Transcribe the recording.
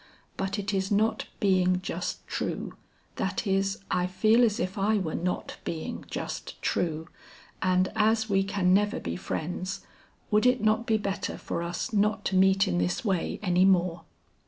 But it is not being just true; that is I feel as if I were not being just true, and as we can never be friends, would it not be better for us not to meet in this way any more?"